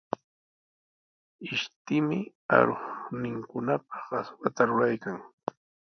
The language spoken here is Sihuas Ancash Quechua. Ishtimi aruqninkunapaq aswata ruraykan.